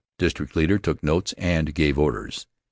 District leader took notes and gave orders.